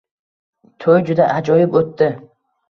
To`y juda ajoyib o`tdi